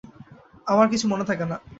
আমার কিছু মনে থাকে না।